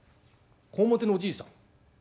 こわもてのおじいさん。